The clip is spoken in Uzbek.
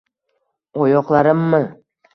Oyoqlarimmi?